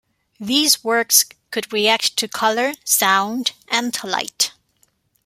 These works could react to color, sound and light.